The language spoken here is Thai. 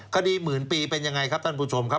คดีหมื่นปีเป็นยังไงครับท่านผู้ชมครับ